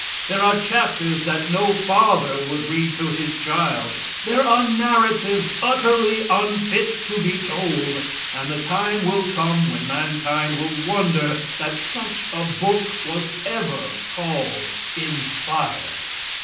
There are chapters that no father would read to his child. There are narratives utterly unfit to be told; and the time will come when mankind will wonder that such a book was ever called inspired.